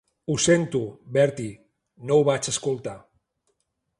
Ho sento, Bertie, no ho vaig escoltar.